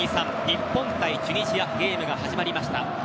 日本対チュニジアゲームが始まりました。